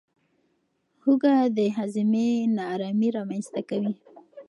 هوږه د هاضمې نارامي رامنځته کوي.